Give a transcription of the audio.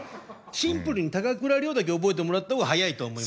シンプルに高倉陵だけ覚えてもらった方が早いと思います。